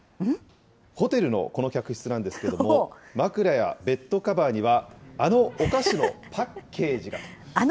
ホテルのこの客室なんですけども、枕やベッドカバーには、あのお菓子のパッケージが。